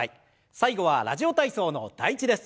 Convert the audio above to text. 最後は「ラジオ体操」の第１です。